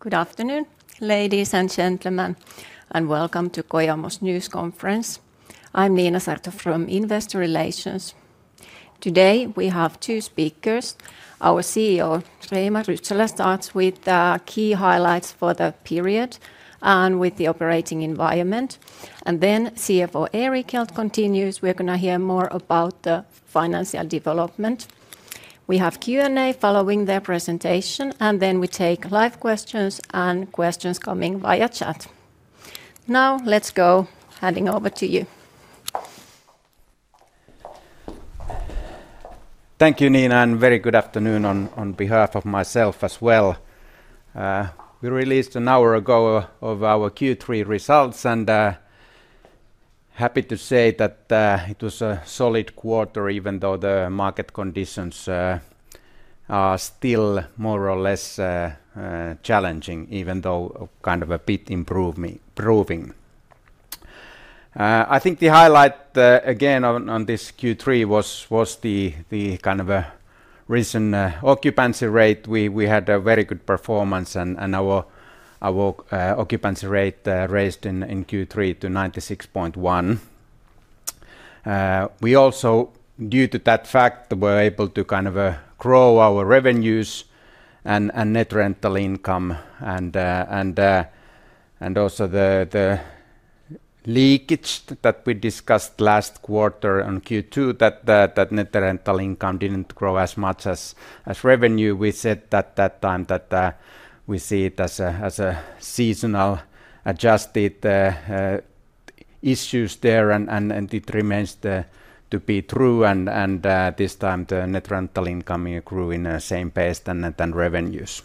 Good afternoon ladies and gentlemen and welcome to Kojamo's News Conference. I'm Niina Saarto from Investor Relations. Today we have two speakers. Our CEO Reima Rytsölä starts with key highlights for the period and with the operating environment, and then CFO Erik Hjelt continues. We're going to hear more about the financial development. We have Q and A following their presentation, and then we take live questions and questions coming via chat now. Let's go. Handing over to you. Thank you Niina and very good afternoon on behalf of myself as well. We released an hour ago our Q3 results and happy to say that it was a solid quarter even though the market conditions are still more or less challenging, even though kind of a bit improving. I think the highlight again on this Q3 was the kind of a recent occupancy rate. We had a very good performance and our occupancy rate raised in Q3 to 96.1%. We also due to that fact were able to kind of grow our revenues and net rental income. Also the leakage that we discussed last quarter on Q2 that net rental income didn't grow as much as revenue. We said at that time that we see it as a seasonal adjusted issue there and it remains to be true. This time the net rental income grew in the same pace as revenues.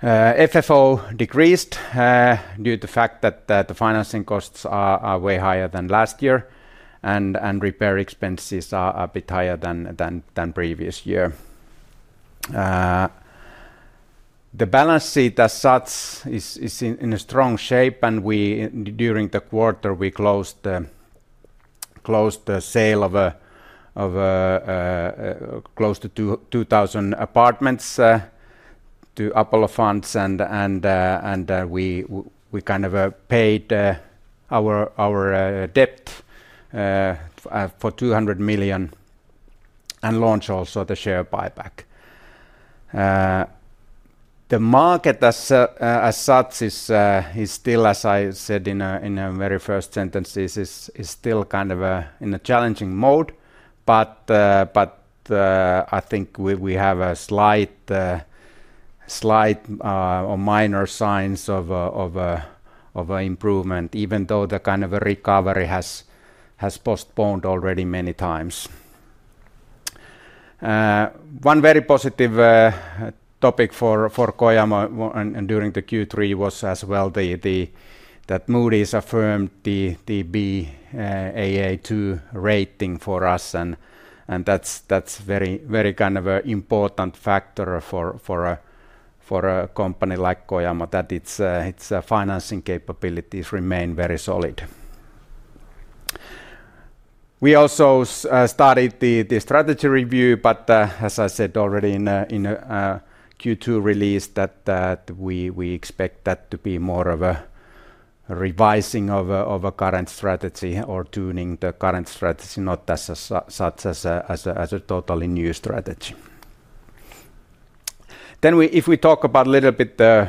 FFO decreased due to the fact that the financing costs are way higher than last year and repair expenses are a bit higher than previous year. The balance sheet as such is in a strong shape and during the quarter we closed the sale of close to 2,000 apartments to Apollo Funds and we kind of paid our debt for 200 million and launched also the share buyback. The market as such is still, as I said in a very first sentence, is still kind of in a challenging mode. I think we have a slight or minor signs of improvement even though the kind of a recovery has postponed already many times. One very positive topic for Kojamo during the Q3 was as well that Moody’s affirmed the Baa2 rating for us and that's very, very kind of an important factor for a company like Kojamo that its financing capabilities remain very solid. We also started the strategy review, but as I said already in Q2 release, we expect that to be more of a revising of a current strategy or tuning the current strategy, not as such as a totally new strategy. If we talk about a little bit the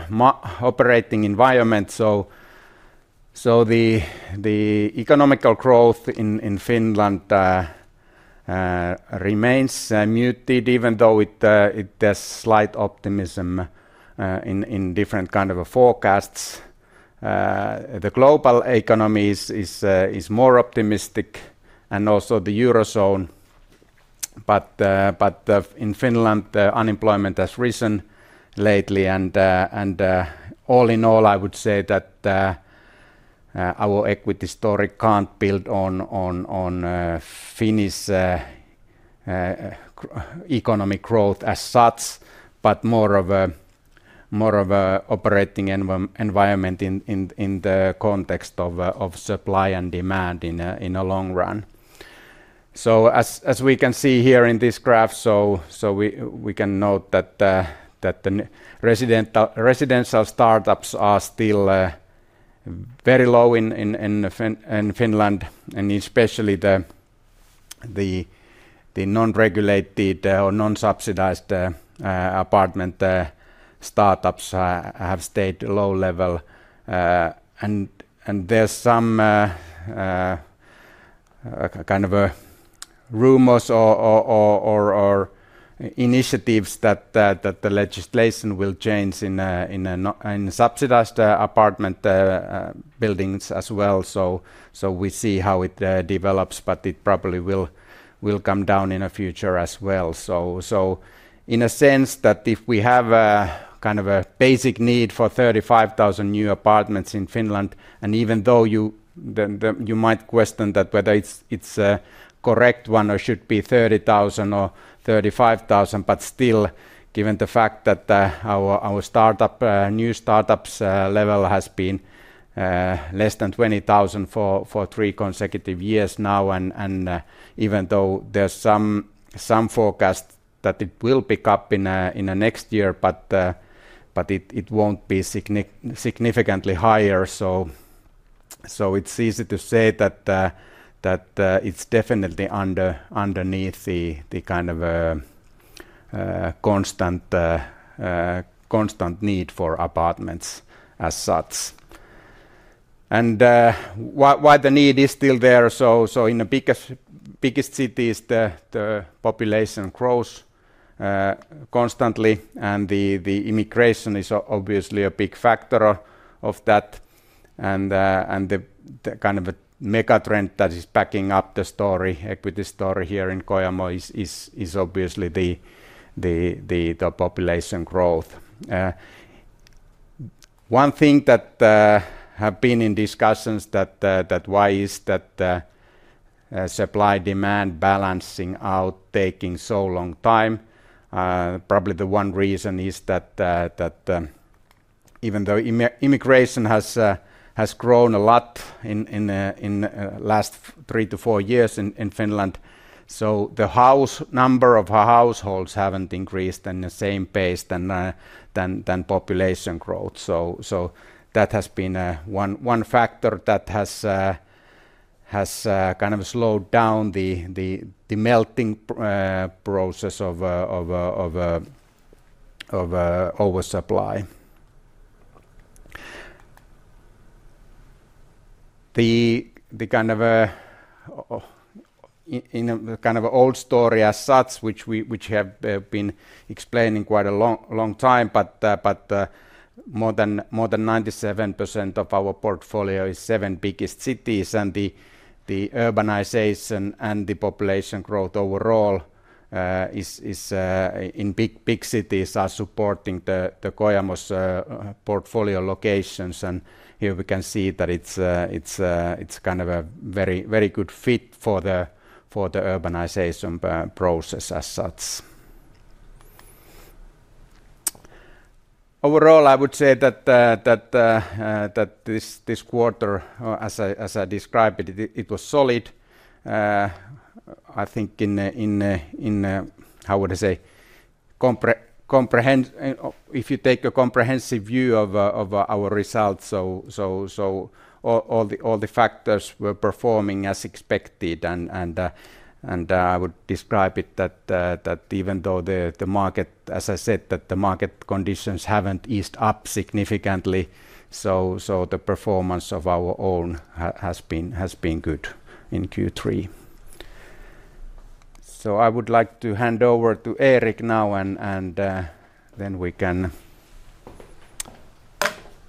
operating environment, the economic growth in Finland remains muted even though there's slight optimism in different kind of forecasts. The global economy is more optimistic and also the Eurozone. In Finland, unemployment has risen lately and all in all I would say that our equity story can't build on Finnish economic growth as such, but more of an operating environment in the context of supply and demand in a long run. As we can see here in this graph, we can note that the residential startups are still very low in Finland and especially the non-regulated or non-subsidized apartment startups have stayed low level and there's some kind of rumors or initiatives that the legislation will change in subsidized apartment buildings as well. We see how it develops, but it probably will come down in the future as well. In a sense, if we have kind of a basic need for 35,000 new apartments in Finland, and even though you might question that whether it's a correct one or should be 30,000 or 35,000, still given the fact that our new startups level has been less than 20,000 for three consecutive years now, and even though there's some forecast that it will pick up in the next year, it won't be significantly higher. It's easy to say that it's definitely underneath the kind of constant need for apartments as such and why the need is still there. In the biggest cities the population grows constantly and the immigration is obviously a big factor of that. The kind of megatrend that is backing up the equity story here in Kojamo is obviously the population growth. One thing that has been in discussions is why is that supply-demand balancing out taking so long? Probably the one reason is that even though immigration has grown a lot in the last three to four years in Finland, the number of households hasn't increased at the same pace as population growth. That has been one factor that has kind of slowed down the melting process of oversupply. The kind of old story as such, which has been explained quite a long time. More than 97% of our portfolio is in the seven biggest cities, and the urbanization and the population growth overall in big cities are supporting the Kojamo portfolio locations. Here we can see that it's kind of a very good fit for the urbanization process as such. Overall, I would say that this quarter, as I described it, it was solid. I think if you take a comprehensive view of our results, all the factors were performing as expected. I would describe it that even though the market, as I said, the market conditions haven't eased up significantly, the performance of our own has been good in Q3. I would like to hand over to Erik now and then we can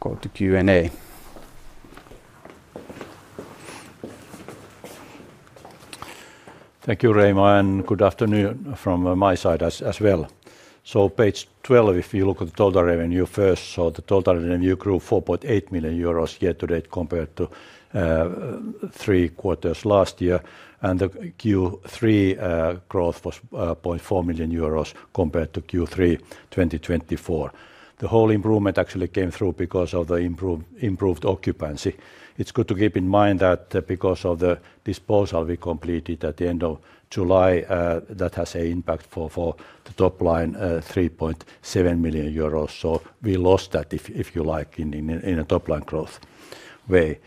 go to Q and A. Thank you, Reima, and good afternoon from my side as well. Page 12, if you look at the total revenue first, the total revenue grew 4.8 million euros year to date compared to Q3 last year. The Q3 growth was 0.4 million euros compared to Q3 2024. The whole improvement actually came through because of the improved occupancy. It's good to keep in mind that because of the disposal we completed at the end of July, that has an impact for the top line, 3.7 million euros. We lost that, if you like, in a top line growth way.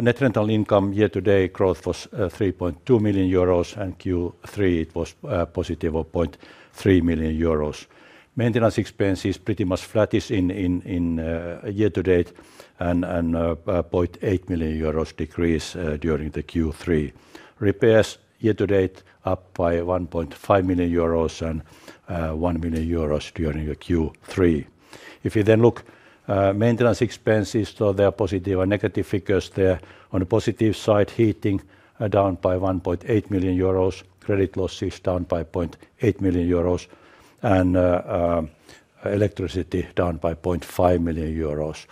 Net rental income year to date growth was 3.2 million euros, and in Q3 it was positive at 0.3 million euros. Maintenance expense is pretty much flattish year to date and 0.8 million euros decrease during Q3. Repairs year to date up by 1.5 million euros and 1 million euros during Q3. If you then look at maintenance expenses, there are positive and negative figures there. On the positive side, heating down by 1.8 million euros, credit losses down by 0.8 million euros, and electricity down by 0.5 million euros.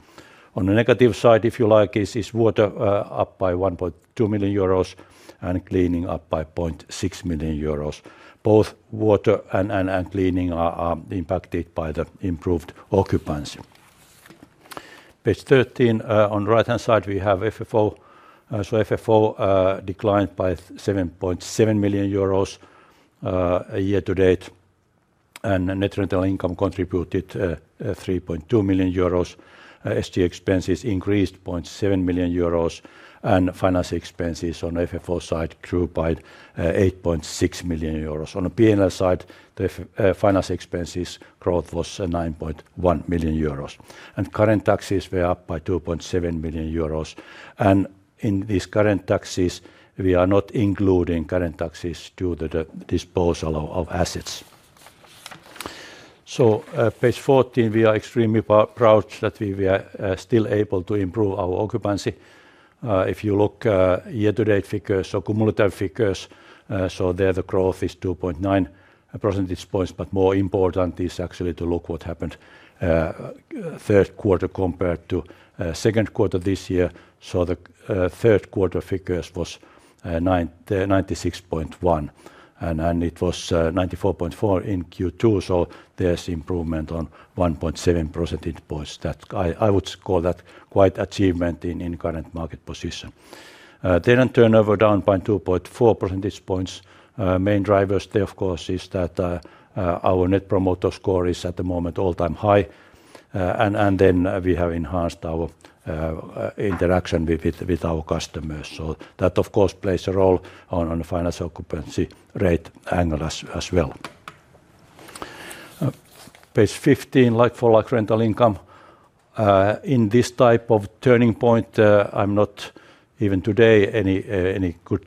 On the negative side, if you like, is water up by 1.2 million euros and cleaning up by 0.6 million euros. Both water and cleaning are impacted by the improved occupancy. Page 13, on the right-hand side, we have FFO. FFO declined by 7.7 million euros year to date and net rental income contributed 3.2 million euros. SG expenses increased 0.7 million euros and finance expenses on FFO side grew by 8.6 million euros. On the P&L side, the finance expenses growth was 9.1 million euros and current taxes were up by 2.7 million euros. In these current taxes, we are not including current taxes due to the disposal of assets. Page 14, we are extremely proud that we were still able to improve our occupancy. If you look at year to date figures, so cumulative figures, the growth is 2.9 percentage points. More important is actually to look at what happened third quarter compared to second quarter this year. The third quarter figure was 96.1% and it was 94.4% in Q2. There's improvement of 1.7 percentage points. I would call that quite an achievement in the current market position. Turnover down by 2.4 percentage points. Main drivers there, of course, is that our net promoter score is at the moment all-time high. We have enhanced our interaction with our customers. That, of course, plays a role on the financial occupancy rate angle as well. Page 15, like-for-like rental income in this type of turning point. I'm not even today any good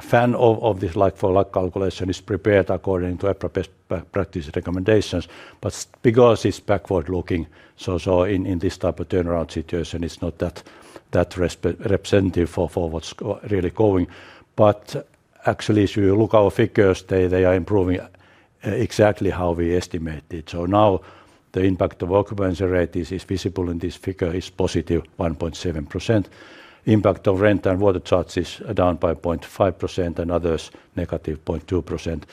fan of this like for like calculation. It's prepared according to proposed practice recommendations, but because it's backward looking, in this type of turnaround situation it's not that representative for what's really going. Actually, if you look at our figures, they are improving exactly how we estimated. Now the impact of occupancy rate is visible in this figure, it's +1.7%. Impact of rent and water charges are down by 0.5% and others -0.2%.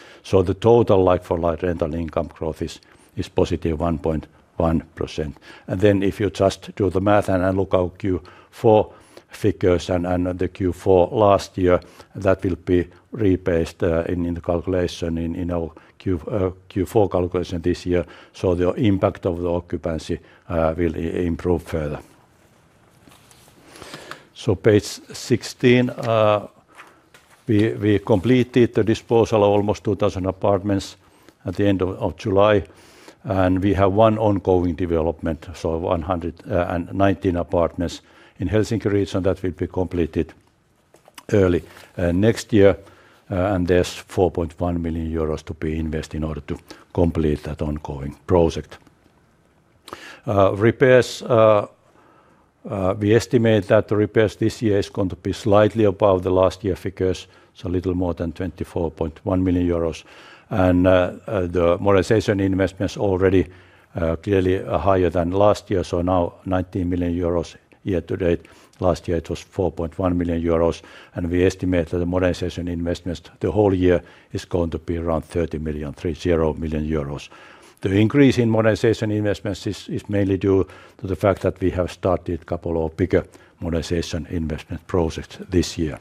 The total like for like rental income growth is +1.1%. If you just do the math and look at Q4 figures and the Q4 last year that will be rebased in the calculation in our Q4 calculation this year, the impact of the occupancy will improve further. Page 16, we completed the disposal of almost 2,000 apartments at the end of July and we have one ongoing development, so 119 apartments in Helsinki region that will be completed early next year. There's 4.1 million euros to be invested in order to complete that ongoing project. Repairs, we estimate that the repairs this year are going to be slightly above the last year figures, so a little more than 24.1 million euros. The modernization investments already clearly higher than last year, so now 19 million euros year to date, last year it was 4.1 million euros. We estimate that the modernization investments the whole year is going to be around 30 million, 30 million euros. The increase in modernization investments is mainly due to the fact that we have started a couple of bigger modernization investment projects this year.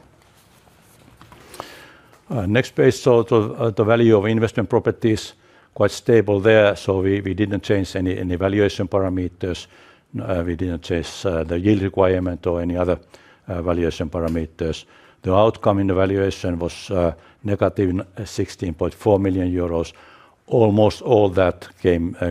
Next page. The value of investment properties is quite stable there. We didn't change any valuation parameters. We didn't change the yield requirement or any other valuation parameters. The outcome in the valuation was -16.4 million euros. Almost all that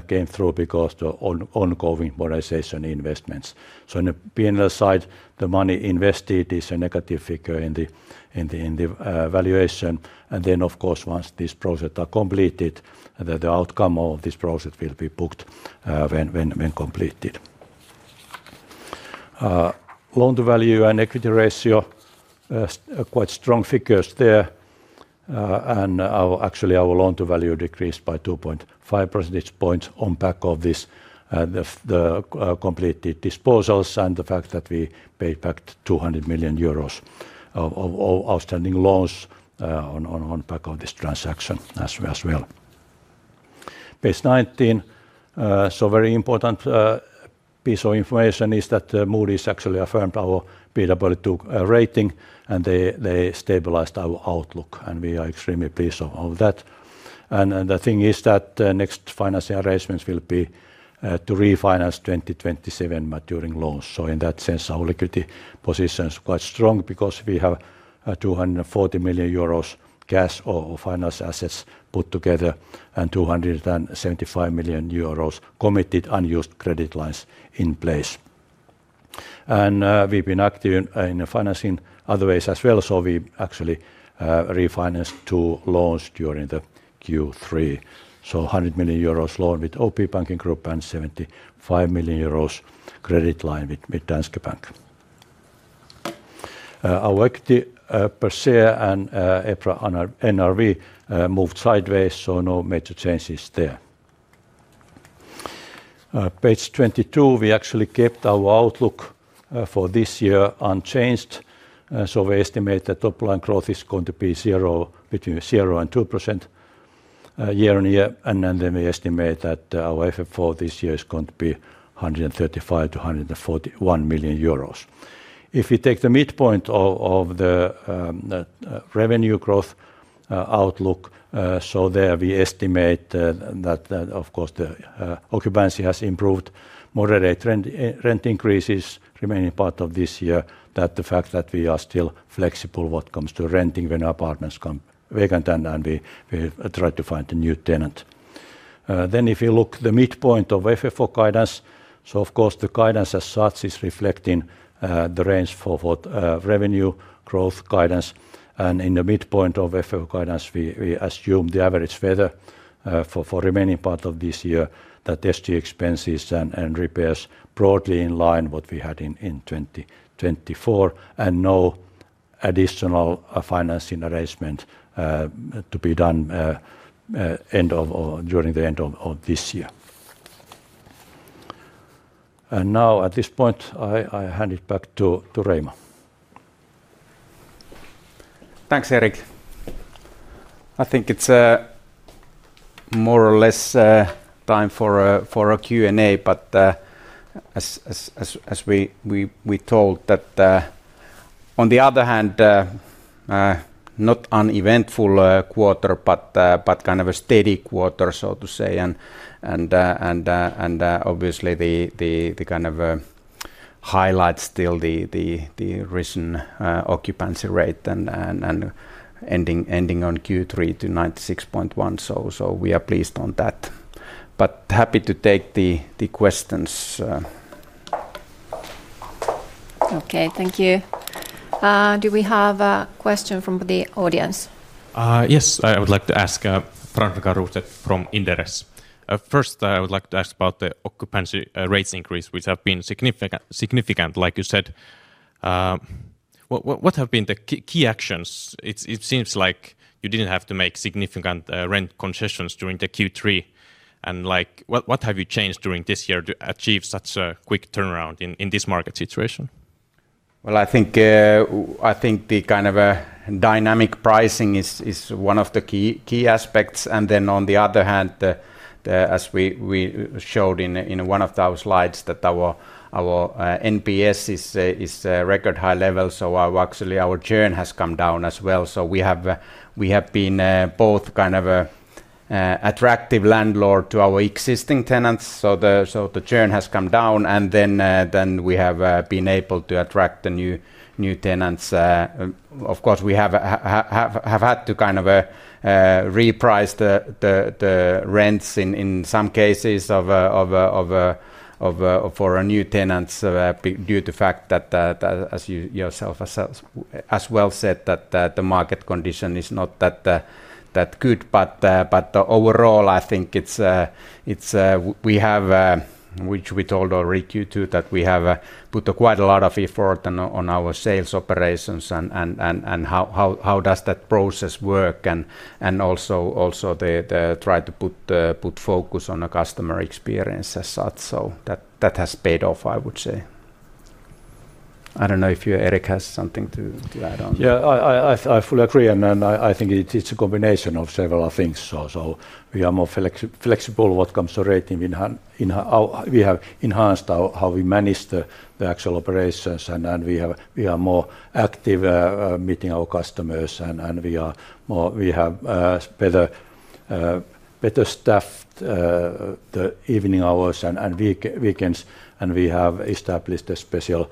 came through because of the ongoing modernization investments. In the P&L side, the money invested is a negative figure in the valuation. Of course, once these projects are completed, the outcome of this project will be booked when completed. Loan to value and equity ratio, quite strong figures there. Actually, our loan to value decreased by 2.5 percentage points. On back of this, the completed disposals and the fact that we paid back 200 million euros of outstanding loans on back of this transaction as well, page 19. A very important piece of information is that Moody’s actually affirmed our Baa2 rating and they stabilized our outlook and we are extremely pleased of that. The thing is that next financing arrangements will be to refinance 2027 maturing loans. In that sense, our liquidity position is quite strong because we have 240 million euros cash or finance assets put together and 275 million euros committed unused credit lines in place and we've been active in financing other ways as well. We actually refinanced two loans during Q3: a 100 million euros loan with OP Corporate Bank and a 75 million euros credit line with Danske Bank. Our equity per share, and EPRA NRV moved sideways, so no major changes there. On page 22, we actually kept our outlook for this year unchanged. We estimate that top line growth is going to be between 0% and 2% year on year and then we estimate that our FFO this year is going to be 135 million-141 million euros. If we take the midpoint of the revenue growth outlook, we estimate that of course the occupancy has improved, moderate rent increases remaining part of this year, the fact that we are still flexible when it comes to renting, when apartments come vacant and we try to find a new tenant. If you look at the midpoint of FFO guidance, the guidance as such is reflecting the range forward revenue growth guidance. In the midpoint of FFO guidance, we assume the average weather for remaining part of this year, that SG expenses and repairs are broadly in line with what we had in 2024 and no additional financing arrangement to be done during the end of this year. At this point, I hand it back to Reima. Thanks, Erik. I think it's more or less time for a Q and A, but as we told, on the other hand, not an uneventful quarter but kind of a steady quarter, so to say. Obviously, the kind of highlights still the recent occupancy rate and ending on Q3 to 96.1%. We are pleased on that but happy to take the questions. Okay, thank you. Do we have a question from the audience? Yes, I would like to ask Frans-Mikael Rostedt from Inderes. First, I would like to ask about the occupancy rates increase, which have been significant, significant like you said. What have been the key actions? It seems like you didn't have to make significant rent concessions during Q3, and what have you changed during this year to achieve such a quick turnaround in this market situation? I think the kind of dynamic pricing is one of the key aspects. On the other hand, as we showed in one of our slides, our NPS is at a record high level. Actually, our churn has come down as well. We have been both kind of attractive landlord to our existing tenants, so the churn has come down, and we have been able to attract new tenants. Of course, we have had to reprice the rents in some cases for new tenants due to the fact that, as you yourself as well said, the market condition is not that good. Overall, I think we have, which we told already in Q2, put quite a lot of effort on our sales operations and how that process works, and also tried to put focus on the customer experience as such. That has paid off, I would say. I don't know if Erik has something to add on. Yeah, I fully agree. I think it's a combination of several things. We are more flexible when it comes to rating, we have enhanced how we manage the actual operations, and we are more active meeting our customers. We have better staffed the evening hours and weekends, and we have established a special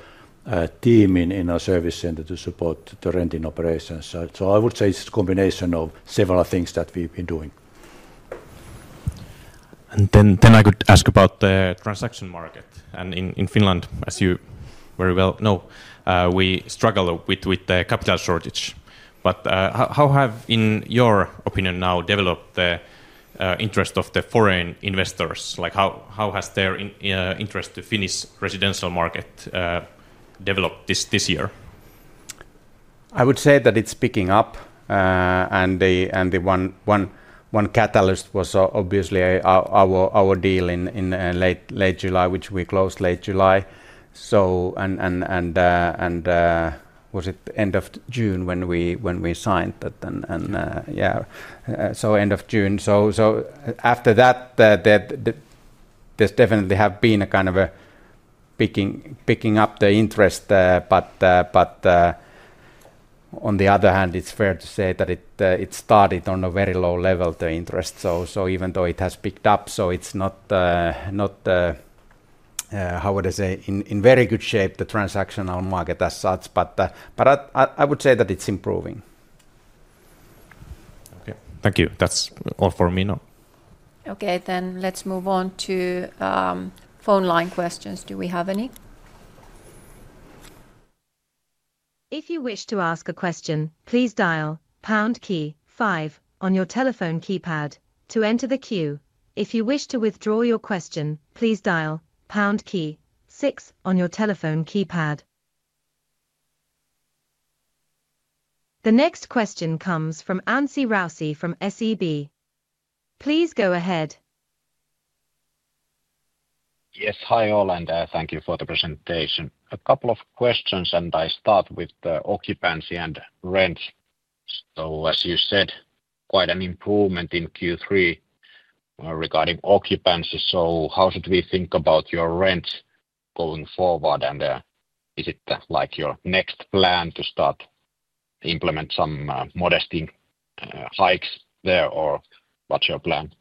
team in our service center to support the renting operations. I would say it's a combination of several things that we've been doing. I could ask about the transaction market in Finland. As you very well know, we struggle with the capital shortage. How have, in your opinion, developed the interest of the foreign investors? How has their interest in the Finnish residential market developed this year? I would say that it's picking up, and the one catalyst was obviously our deal in late July, which we closed late July. Was it end of June when we signed that? End of June. After that, there definitely has been a kind of a picking up of the interest. On the other hand, it's fair to say that it started on a very low level, the interest. Even though it has picked up, it's not, how would I say, in very good shape, the transaction market as such. I would say that it's improving. Okay, thank you, that's all for me now. Okay, then let's move on to phone line questions. Do we have any? If you wish to ask a question, please dial key five on your telephone keypad to enter the queue. If you wish to withdraw your question, please dial six on your telephone keypad. The next question comes from Anssi Rousi from SEB. Please go ahead. Yes, hi Ola and thank you for the presentation. A couple of questions. I start with the occupancy and rent. As you said, quite an improvement in Q3 regarding occupancy. How should we think about your rent going forward, and is it like your next plan to start implement some modest hikes there or what's your plan?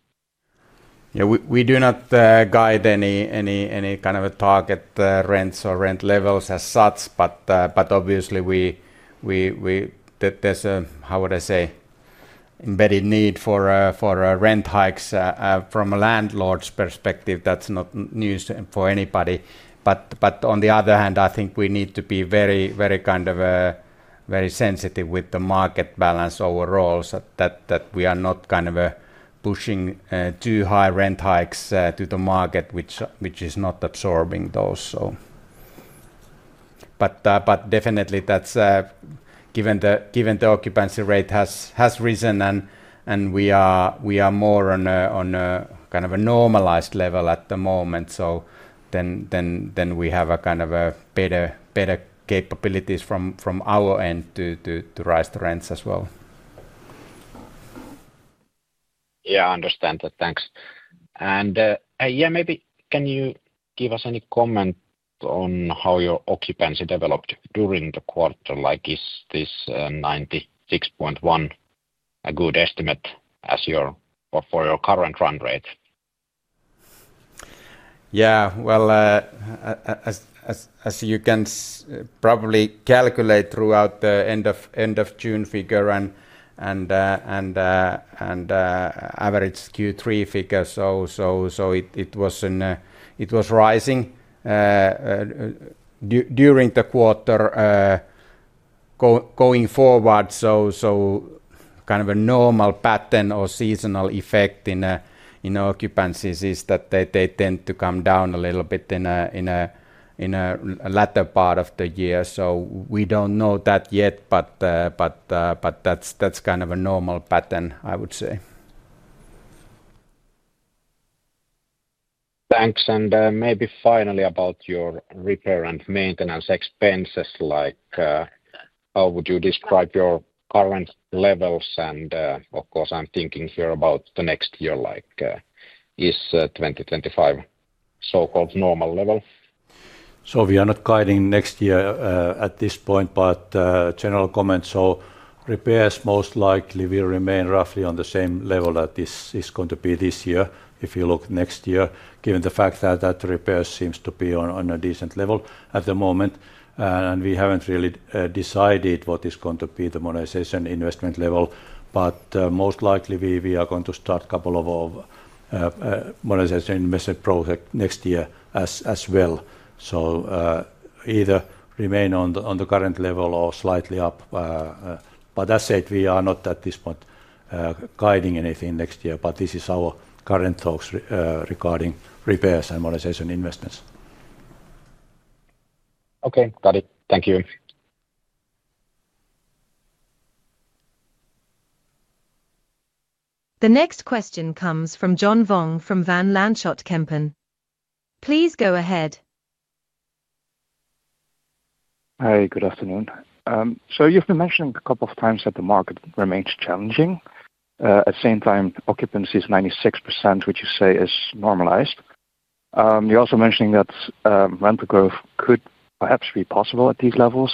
Yeah, we do not guide any kind of a target rents or rent levels as such, but obviously there's a, how would I say, embedded need for rent hikes from a landlord's perspective, that's not news for anybody. On the other hand, I think we need to be very, very sensitive with the market balance overall, that we are not pushing too high rent hikes to the market, which is not absorbing those. Definitely, given the occupancy rate has risen and we are more on a normalized level at the moment, we have better capabilities from our end to rise the rents as well. Yeah, I understand that, thanks. Maybe can you give us any comment on how your occupancy developed during the quarter? Like is this 96.1% a good estimate for your current run rate? As you can probably calculate throughout the end of June figure and average Q3 figure, it was rising during the quarter going forward. A normal pattern or seasonal effect in occupancies is that they tend to come down a little bit in the latter part of the year. We don't know that yet, but that's a normal pattern I would say. Thank you. Maybe finally about your repair and maintenance expenses, how would you describe your current levels? Of course, I'm thinking here about the next year. Is 2025 a so-called normal level? We are not guiding next year at this point, but general comments: repairs most likely will remain roughly on the same level that this is going to be this year if you look next year, given the fact that repairs seem to be on a decent level at the moment. We haven't really decided what is going to be the monetization investment level, but most likely we are going to start a couple of monetization investment projects next year as well. Either remain on the current level or slightly up. As said, we are not at this point guiding anything next year. This is our current talks regarding repairs and monetization investments. Okay, got it. Thank you. The next question comes from John Vuong from Van Lanschot Kempen. Please go ahead. Hi, good afternoon. You've been mentioning a couple of times that the market remains challenging. At the same time, occupancy is 96%, which you say is normalized. You're also mentioning that rental growth could perhaps be possible at these levels.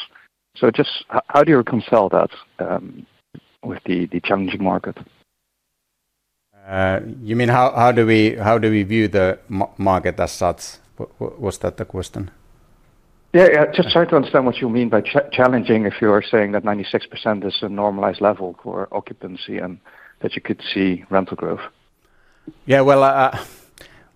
How do you reconcile that with the challenging market? You mean how do we view the market as such? Was that the question? Yeah, just trying to understand what you mean by challenging. If you are saying that 96% is a normalized level for occupancy and that you could see rental growth.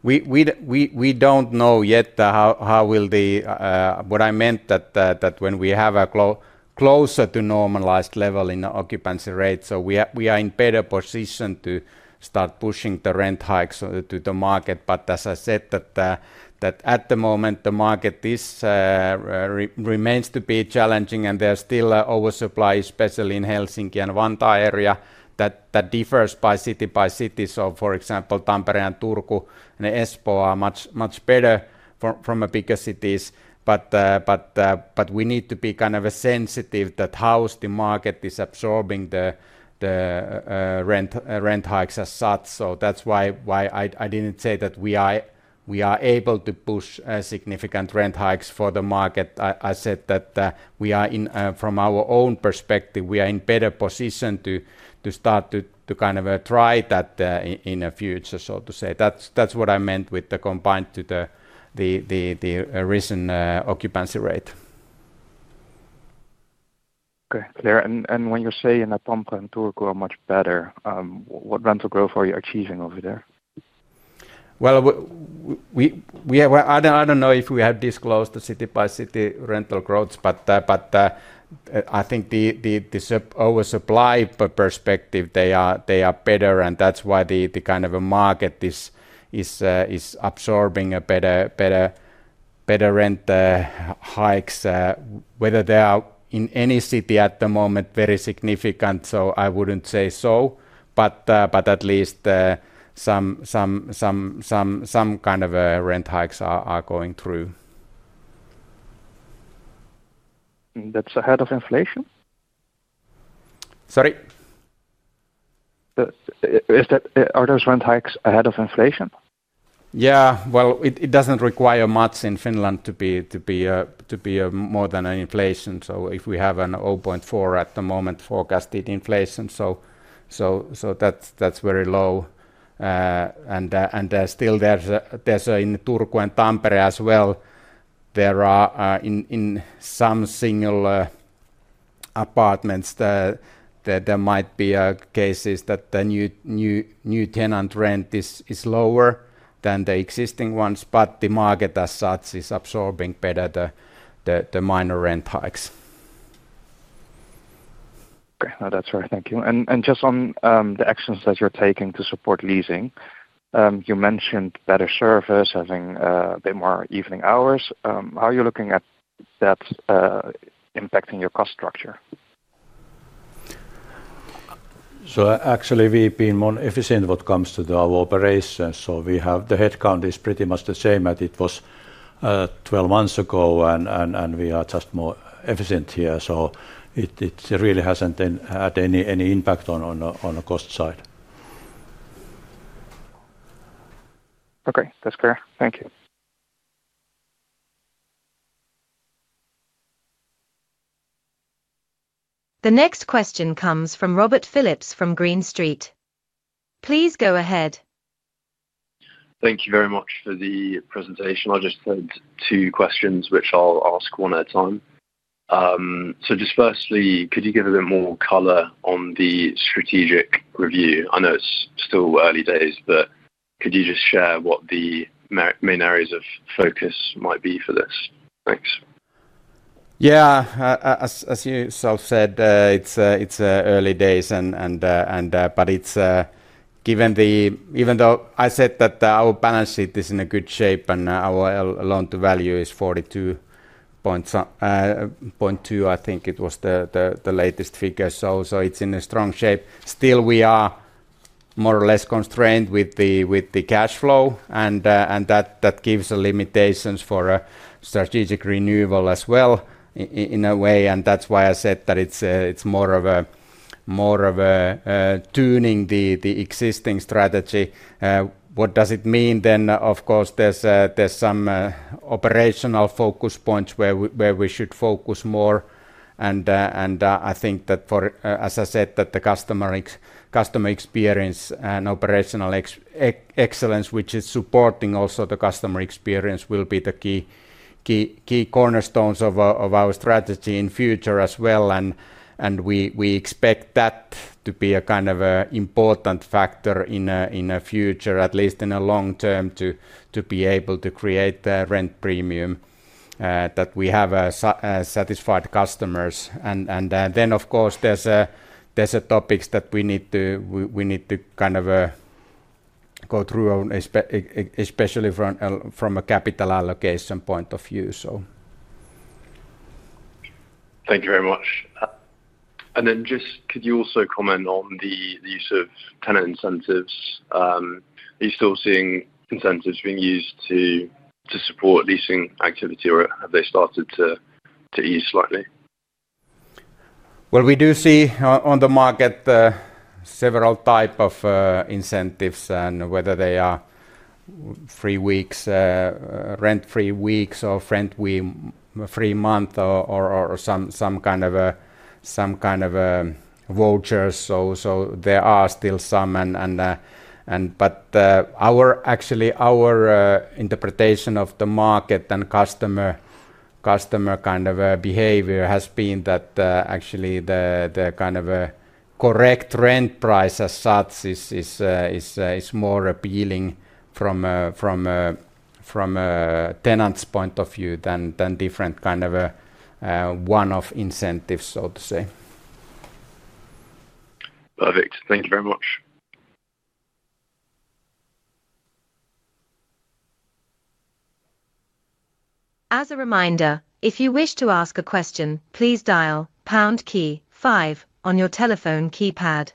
We don't know yet how the, what I meant is that when we have a closer to normalized level in occupancy rate, we are in a better position to start pushing the rent hikes to the market. As I said, at the moment the market remains to be challenging and there's still oversupply, especially in Helsinki and Vantaa area. That differs by city. For example, Tampere, Turku, and Espoo are much better from bigger cities. We need to be kind of sensitive to how the market is absorbing the rent hikes as such. That's why I didn't say that we are able to push significant rent hikes for the market. I said that from our own perspective, we are in a better position to start to kind of try that in the future, so to say. That's what I meant with the combined to the recent occupancy rate. Okay, clear. When you say in Tampere and Turku are much better, what rental growth are you achieving over there? I don't know if we have disclosed the city by city rental growth, but I think the oversupply perspective, they are better. That's why the kind of a market is absorbing better rent hikes, whether they are in any city at the moment, very significant. I wouldn't say so, but at least some kind of rent hikes are going through. That's ahead of inflation. Sorry. Are those rent hikes ahead of inflation? Yeah, it doesn't require much in Finland to be more than inflation. If we have a 0.4% at the moment forecasted inflation, that's very low. Still, in Turku and Tampere as well, there are in some single apartments that there might be cases that the new tenant rent is lower than the existing ones. The market as such is absorbing better the minor rent hikes. Okay, that's right. Thank you. Just on the actions that you're taking to support leasing, you mentioned better service, having a bit more evening hours. How are you looking at that impacting your cost structure? We have been more efficient when it comes to our operations. The headcount is pretty much the same as it was 12 months ago, and we are just more efficient here. It really hasn't had any impact on the cost side. Okay, that's fair. Thank you. The next question comes from Robert Phillips from Green Street. Please go ahead. Thank you very much for the presentation. I just had two questions, which I'll ask one at a time. Firstly, could you give a bit more color on the strategy review? I know it's still early days, but could you just share what the main areas of focus might be for this? Thanks. Yeah, as you said, it's early days, but it's given the. Even though I said that our balance sheet is in good shape and our loan-to-value is 42.2%, I think it was the latest figure. It's in strong shape. Still, we are more or less constrained with the cash flow, and that gives limitations for strategic renewal as well in a way. That's why I said that it's more of tuning the existing strategy. What does it mean then? Of course, there's some operational focus points where we should focus more. I think that, as I said, the customer experience and operational excellence, which is supporting also the customer experience, will be the key cornerstones of our strategy in future as well. We expect that to be a kind of important factor in the future, at least in the long term, to be able to create the rent premium that we have satisfied customers. Of course, there's topics that we need to kind of go through, especially from a capital allocation point of view. Thank you very much. Could you also comment on the use of tenant incentives? Are you still seeing incentives being used to support leasing activity, or have they started to ease slightly? We do see on the market several types of incentives, whether they are three weeks rent-free, free month, or some kind of vouchers. There are still some. Actually, our interpretation of the market and customer behavior has been that the correct rent price as such is more appealing from a tenant's point of view than different kinds of one-off incentives, so to say. Perfect. Thank you very much. As a reminder, if you wish to ask a question, please dial on your telephone keypad.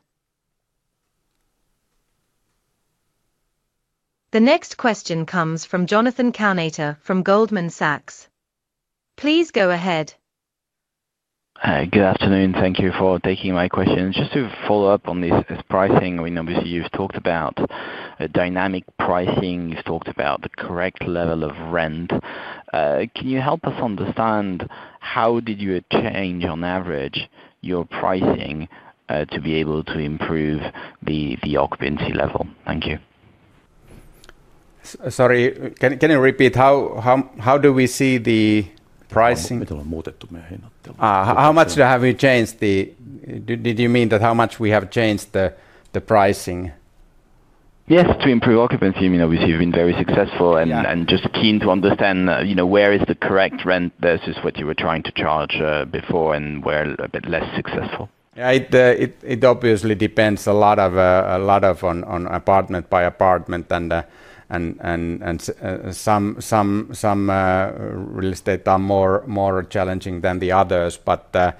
The next question comes from Jonathan Kownator from Goldman Sachs. Please go ahead. Good afternoon. Thank you for taking my questions. Just to follow up on this pricing, we know you've talked about dynamic pricing, you've talked about the correct level of rent. Can you help us understand how did you change, on average, your pricing to be able to improve the occupancy level? Thank you. Sorry, can you repeat? How do we see the pricing? Have we changed the pricing? Did you mean how much we have changed the pricing? Yes, to improve occupancy. Obviously you've been very successful and just keen to understand where is the correct rent versus what you were trying to charge before and where a bit less successful. It obviously depends a lot on apartment by apartment. Some real estate are more challenging than the others. The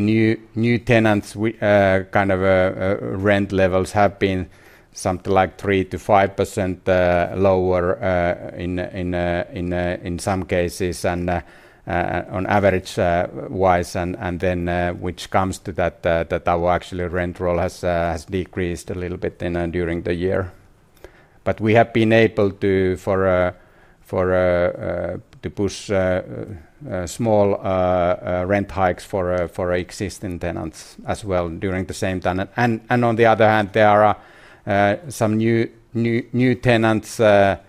new tenants' kind of rent levels have been something like 3%-5% lower in some cases on average wise. Which comes to that actual rent roll has decreased a little bit during the year. We have been able to push small rent hikes for existing tenants as well during the same tenant. On the other hand, there are some new tenants that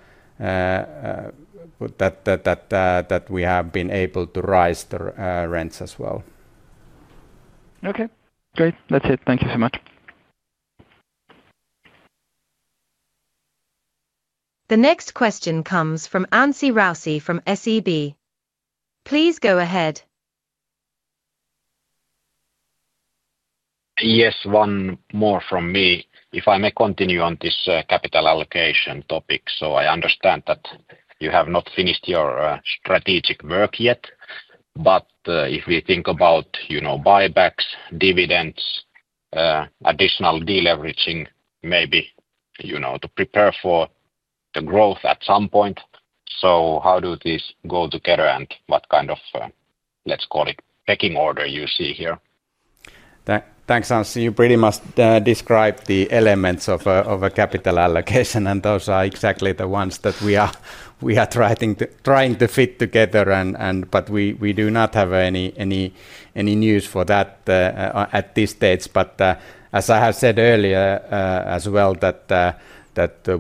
we have been able to rise their rents as well. Okay, great. That's it. Thank you so much. The next question comes from Anssi Rousi from SEB, please go ahead. Yes, one more from me, if I may continue on this capital allocation topic. I understand that you have not finished your strategic work yet. If we think about, you know, buybacks, dividends, additional deleveraging, maybe, you know, to prepare for the growth at some point, how do these go together and what kind of, let's call it, pecking order you see here? Thanks, Anssi. You pretty much described the elements of a capital allocation, and those are exactly the ones that we are trying to fit together. We do not have any news for that at this stage. As I have said earlier as well,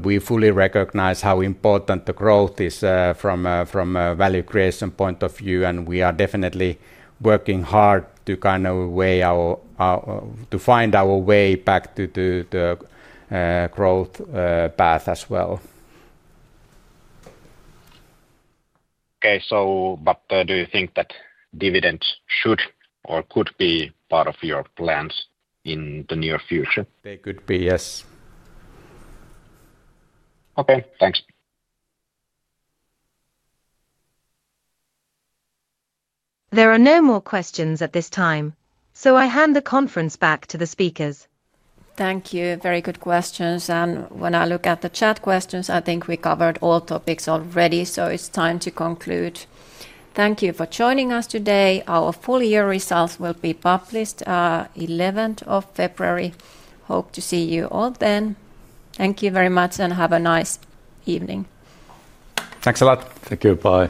we fully recognize how important the growth is from a value creation point of view. We are definitely working hard to find our way back to the growth path as well. Do you think that dividends should or could be part of your plans in the near future? They could be, yes. Okay, thanks. There are no more questions at this time, so I hand the conference back to the speakers. Thank you. Very good questions. When I look at the chat questions, I think we covered all topics already, so it's time to conclude. Thank you for joining us today. Our full year results will be published February 11th. Hope to see you all then. Thank you very much and have a nice evening. Thanks a lot. Thank you. Bye.